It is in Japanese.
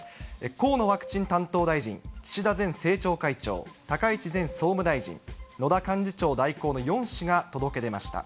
河野ワクチン担当大臣、岸田前政調会長、高市前総務大臣、野田幹事長代行の４氏が届け出ました。